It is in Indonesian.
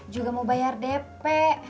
juga mau bayar dp